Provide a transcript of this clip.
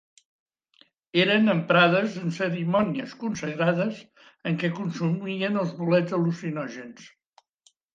Eren emprades en cerimònies consagrades en què consumien els bolets al·lucinògens.